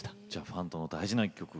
ファンとの大事な一曲。